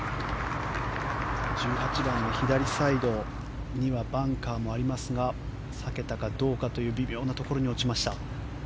１８番は左サイドにはバンカーもありますが避けたかどうかという微妙なところに落ちました。